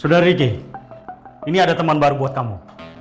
sudah riki ini ada teman baru buat kamu